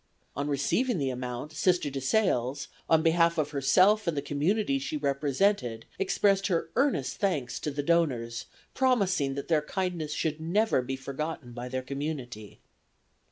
On receiving the amount Sister DeSales, on behalf of herself and the community she represented, expressed her earnest thanks to the donors, promising that their kindness should never be forgotten by their community."